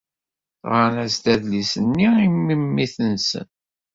Ɣran-as-d adlis-nni i memmi-tsen.